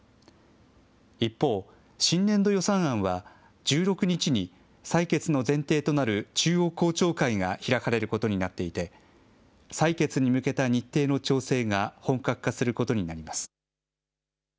一方、新年度予算案は、１６日に採決の前提となる中央公聴会が開かれることになっていて、採決に向けた日程の調整が本格化することになります。